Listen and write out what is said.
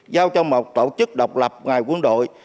giao cho một tổ chức độc lập ngoài quân đội